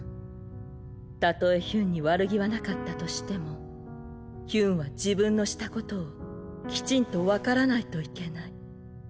たとえヒュンに悪気はなかったとしてもヒュンは自分のしたことをきちんと分からないといけない。